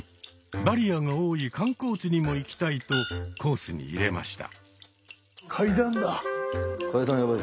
バリアが多い観光地にも行きたいとコースに入れました。